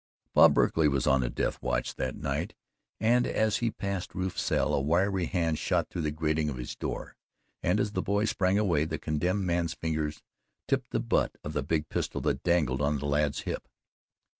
Bob Berkley was on the death watch that night, and as he passed Rufe's cell a wiry hand shot through the grating of his door, and as the boy sprang away the condemned man's fingers tipped the butt of the big pistol that dangled on the lad's hip.